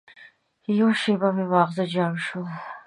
یوه شېبه مې ماغزه جام شول.